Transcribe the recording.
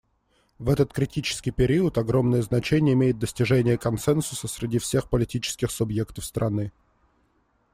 В этот критический период огромное значение имеет достижение консенсуса среди всех политических субъектов страны.